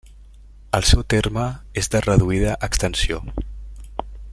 El seu terme és de reduïda extensió.